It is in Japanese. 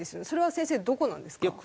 それは先生どこなんですか？